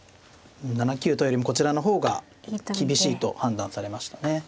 ７九とよりもこちらの方が厳しいと判断されましたね。